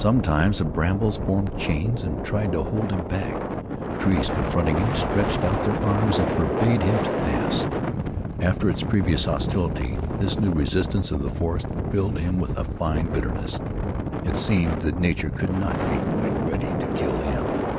Sometimes the brambles formed chains and tried to hold him back. Trees, confronting him, stretched out their arms and forbade him to pass. After its previous hostility this new resistance of the forest filled him with a fine bitterness. It seemed that Nature could not be quite ready to kill him.